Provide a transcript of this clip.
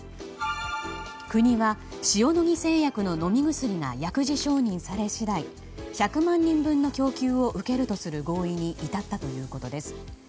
国は塩野義製薬の飲み薬が薬事承認され次第１００万人分の供給を受けるとする合意に至ったということです。